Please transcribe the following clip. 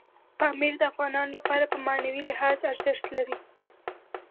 پامیر د افغانانو لپاره په معنوي لحاظ ارزښت لري.